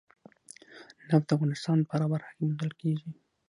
نفت د افغانستان په هره برخه کې موندل کېږي.